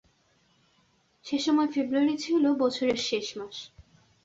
সেসময় ফেব্রুয়ারি ছিল বছরের শেষ মাস।